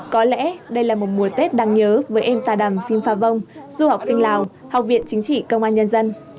có lẽ đây là một mùa tết đáng nhớ với em tà đàm phim phá vong du học sinh lào học viện chính trị công an nhân dân